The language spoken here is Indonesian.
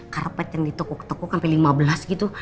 karpet yang ditukuk tukuk sampai lima belas gitu